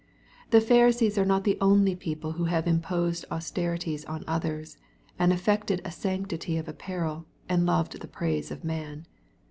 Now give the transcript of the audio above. The Pharisees are not the only people who have imposed austerities on others, and affected a sanctity of apparel, and loved the praise of man.